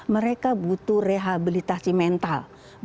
mereka butuh rehabilitasi mental